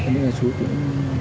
nhưng mà chú cũng